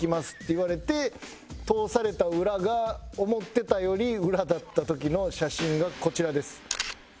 言われて通された裏が思ってたより裏だった時の写真がこちらです。